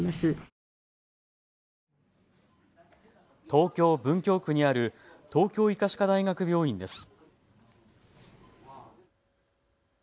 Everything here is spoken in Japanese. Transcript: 東京文京区にある東京医科歯科大学病院です。